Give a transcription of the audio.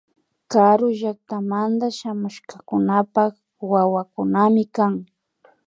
Karu llaktamanta shamushkakunapak wawakunami kan